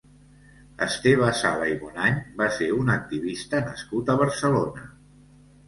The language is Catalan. Esteve Sala i Bonany va ser un activista nascut a Barcelona.